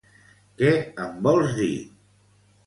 Què em vols dir?